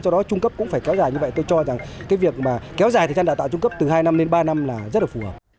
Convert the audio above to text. do đó trung cấp cũng phải kéo dài như vậy tôi cho rằng cái việc mà kéo dài thời gian đào tạo trung cấp từ hai năm đến ba năm là rất là phù hợp